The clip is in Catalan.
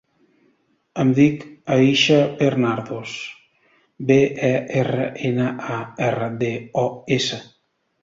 Em dic Aicha Bernardos: be, e, erra, ena, a, erra, de, o, essa.